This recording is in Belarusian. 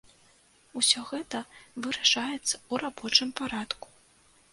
Усё гэта вырашаецца ў рабочым парадку.